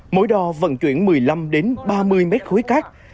mỗi đò vận chuyển một mươi năm ba mươi m khối cát